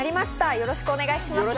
よろしくお願いします。